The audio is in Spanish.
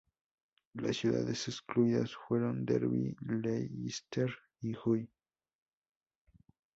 Las ciudades excluidas fueron: Derby, Leicester y Hull.